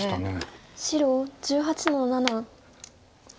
白１８の七。